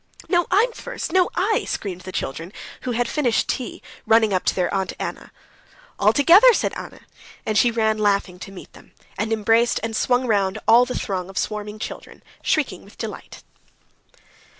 "No, I'm first! No, I!" screamed the children, who had finished tea, running up to their Aunt Anna. "All together," said Anna, and she ran laughing to meet them, and embraced and swung round all the throng of swarming children, shrieking with delight.